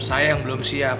saya yang belum siap